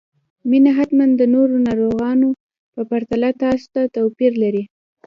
مينه حتماً د نورو ناروغانو په پرتله تاسو ته توپير لري